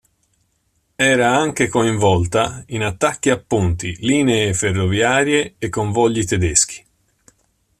Era anche coinvolta in attacchi a ponti, linee ferroviarie e convogli tedeschi.